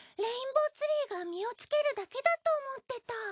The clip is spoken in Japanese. レインボーツリーが実をつけるだけだと思ってた。